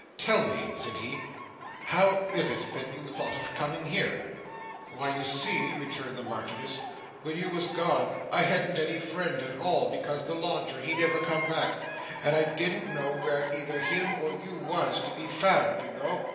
'Tell me,' said he, 'how it was that you thought of coming here.' 'Why, you see,' returned the Marchioness, 'when you was gone, I hadn't any friend at all, because the lodger he never come back, and I didn't know where either him or you was to be found, you know.